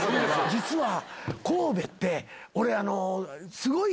実は神戸って。